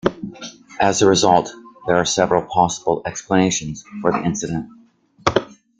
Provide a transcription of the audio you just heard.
As a result, there are several possible explanations for the incident.